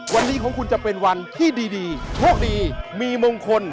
วันนี้ของคุณจะเป็นวันที่ดีโชคดีมีมงคล